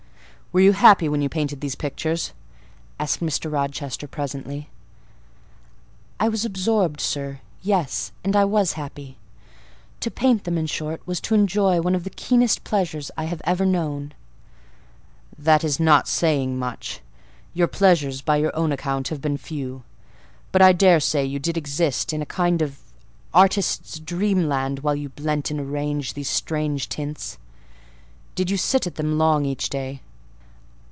"Were you happy when you painted these pictures?" asked Mr. Rochester presently. "I was absorbed, sir: yes, and I was happy. To paint them, in short, was to enjoy one of the keenest pleasures I have ever known." "That is not saying much. Your pleasures, by your own account, have been few; but I daresay you did exist in a kind of artist's dreamland while you blent and arranged these strange tints. Did you sit at them long each day?"